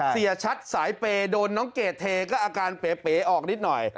เสียชัดสายเปย์โดนน้องเกดเทก็อาการเป๋ออกนิดหน่อย